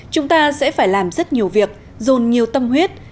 chúng ta sẽ phải làm rất nhiều việc dồn nhiều tâm huyết